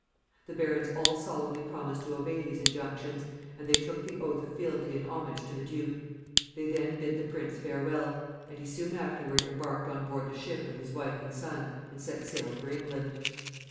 The barons all solemnly promised to obey these injunctions, and they took the oath of fealty and homage to the duke. They then bid the prince farewell, and he soon afterward embarked on board the ship with his wife and son, and set sail for England.